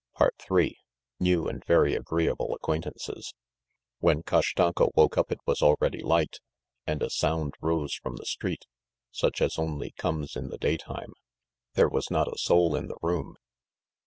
... III New and Very Agreeable Acquaintances When Kashtanka woke up it was already light, and a sound rose from the street, such as only comes in the day time. There was not a soul in the room.